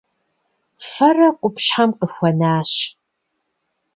Фэрэ къупщхьэм къыхуэнащ.